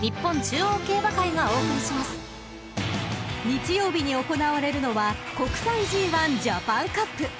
［日曜日に行われるのは国際ＧⅠジャパンカップ］